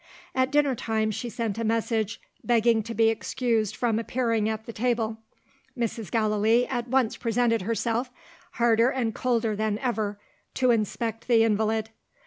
At dinner time she sent a message, begging to be excused from appearing at the table. Mrs. Gallilee at once presented herself, harder and colder than ever, to inspect the invalid.